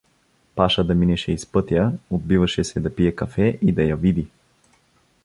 Паша да минеше из пътя, отбиваше се да пие кафе и да я види.